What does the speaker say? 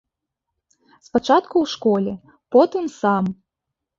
Спачатку ў школе, потым сам.